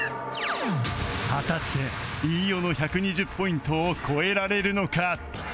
果たして飯尾の１２０ポイントを超えられるのか？